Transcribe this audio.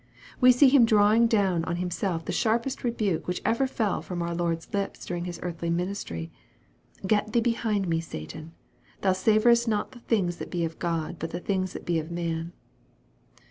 We see him drawing down on himself the sharpest rebuke which ever fell from our Lord's lips during His earthly ministry :" Get thee behind me, Satan : thou savorest not the things that be of God, but the things that be of man."